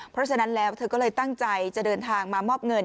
เพราะฉะนั้นแล้วเธอก็เลยตั้งใจจะเดินทางมามอบเงิน